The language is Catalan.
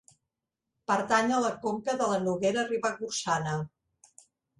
Pertany a la conca de la Noguera Ribagorçana.